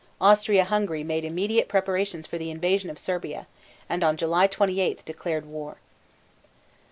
Austria Hungary made immediate preparations for the invasion of Serbia and on July 28 declared war.